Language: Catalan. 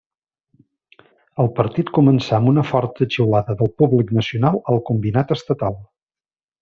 El partit començà amb una forta xiulada del públic nacional al combinat estatal.